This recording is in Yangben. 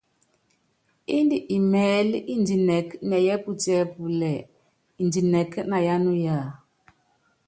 Indɛ́ imɛ́ɛlɛ́ indinɛ́k nɛ yɛ́pútíɛ́púlɛ́ indinɛ́k na yá nuyá ?